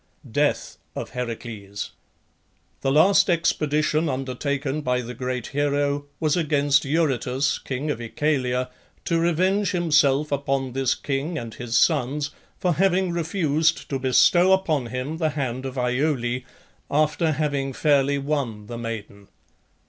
DEATH OF HERACLES. The last expedition undertaken by the great hero was against Eurytus, king of Oechalia, to revenge himself upon this king and his sons for having refused to bestow upon him the hand of Iole, after having fairly won the maiden.